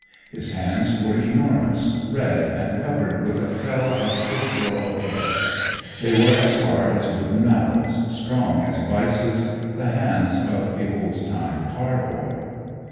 His hands were enormous, red, and covered with a fell of stiff yellow hair; they were as hard as wooden mallets, strong as vices, the hands of the old time car boy.